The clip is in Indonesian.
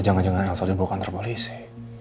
jangan jangan elsa udah buka kantor polisi